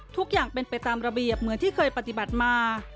ทุกอย่างเป็นไปตามระเบียบเหมือนที่เคยปฏิบัติมา